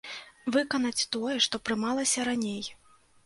Выканаць тое, што прымалася раней.